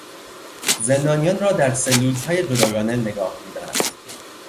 زندانیان را در سلولهای جداگانه نگاه میدارند.